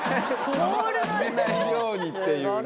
触らせないようにっていうね。